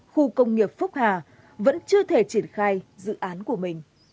khu công nghiệp phúc hà vẫn chưa thể triển khai dự án của mình